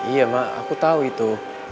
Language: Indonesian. iya mak aku tahu itu